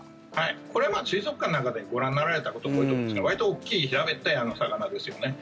これ、水族館なんかでご覧になられたことが多いと思うんですがわりと大きい平べったい魚ですよね。